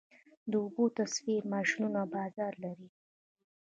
د اوبو تصفیې ماشینونه بازار لري؟